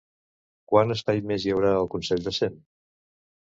Quant espai més hi haurà al Consell de Cent?